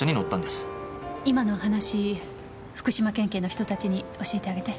今の話福島県警の人達に教えてあげて。